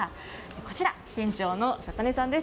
こちら、店長の坂根さんです。